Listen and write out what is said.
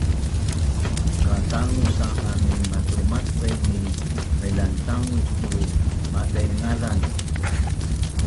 katangusang amin matumacqeng ngi mailantangus tu madengazan